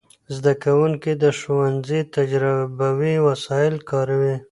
زدهکوونکي د ښوونځي تجربوي وسایل کاروي.